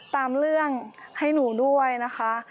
ตามเรื่องให้หนูด้วยนะคะ